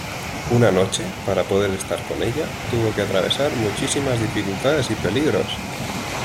Una noche, para poder estar con ella tuvo que atravesar muchísimas dificultades y peligros.